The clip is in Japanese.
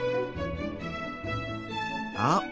あっ！